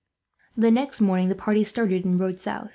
The next morning the party started, and rode south.